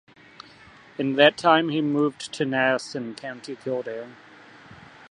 In that time he moved to Naas in County Kildare.